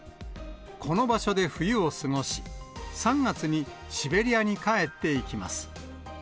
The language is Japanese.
この場所で冬を過ごし、３月にシベリアに帰っていきます。